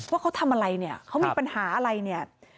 ว่าเขาทำอะไรเนี่ยเขามีปัญหาอะไรเนี่ย